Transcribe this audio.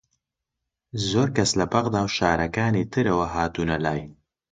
زۆر کەس لە بەغدا و شارەکانی ترەوە هاتوونە لای